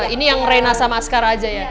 ini yang reina sama askar aja ya